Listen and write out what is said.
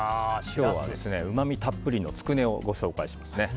今日はうまみたっぷりのつくねをご紹介します。